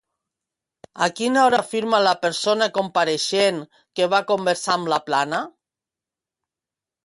A quina hora afirma la persona compareixent que va conversar amb Laplana?